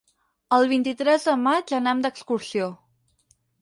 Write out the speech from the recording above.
El vint-i-tres de maig anam d'excursió.